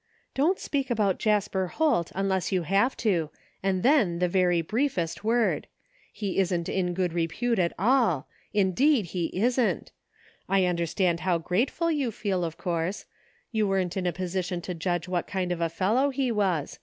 "Don't speak about Jasper Holt unless you have to, and then the very briefest word. He isn't in good repute at all, indeed, he isn't ! I understand how grateful you feel, of course; you weren't in a position to judge what kind of a fellow he was.